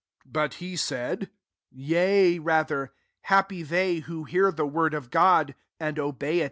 28 But he said, '< Yea^ rather, happy they, who hear the word of God and obey f